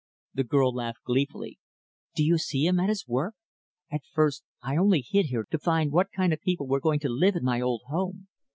The girl laughed gleefully. "Do you see him at his work? At first, I only hid here to find what kind of people were going to live in my old home.